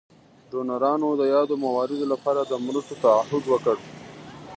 ډونرانو د یادو مواردو لپاره د مرستو تعهد وکړ.